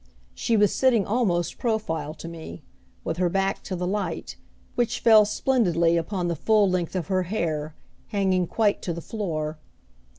She was sitting almost profile to me, with her back to the light, which fell splendidly upon the full length of her hair, hanging quite to the floor.